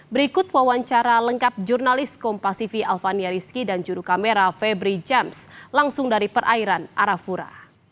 berikut wawancara lengkap jurnalis kompasifi alvania rizky dan juru kamera febri james langsung dari perairan arafura